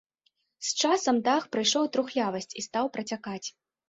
З часам дах прыйшоў у трухлявасць і стаў працякаць.